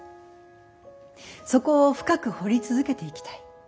そこを深く掘り続けていきたい。